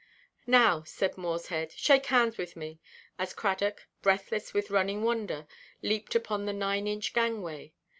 "Now," said Morshead, "shake hands with me," as Cradock, breathless with running wonder, leaped upon the nine–inch gangway.